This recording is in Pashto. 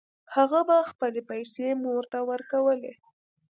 هغه به خپلې پیسې مور ته ورکولې